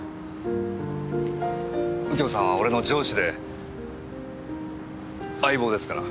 右京さんは俺の上司で相棒ですから。